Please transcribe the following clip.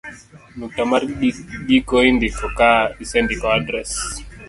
nukta mar giko indiko ka isendiko adres